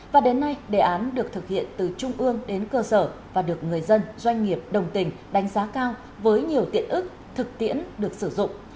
và đến nay đề án được thực hiện từ trung ương đến cơ sở và được người dân doanh nghiệp đồng tình đánh giá cao với nhiều tiện ích thực tiễn được sử dụng